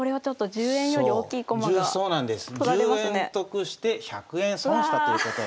１０円得して１００円損したということになるんですね。